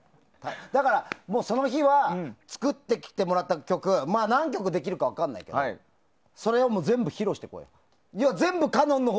だからもうその日は作ってきてもらった曲何曲できるか分からないけどそれを全部披露してこよう。